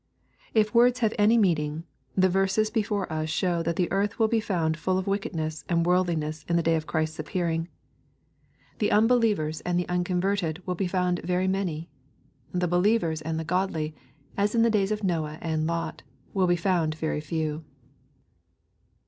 If words have any meaning, the verses before us show that the earth will be found full of wickedness and world liness in the day of Christ's appearing. The unbelievew LUKE, CHAP. XVII. 24^ and the unconverted will be found very many. The be lievers and the godly, as in the days of Noah and Lot, will be found very few.